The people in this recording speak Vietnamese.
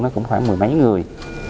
nó cũng khoảng mười mấy người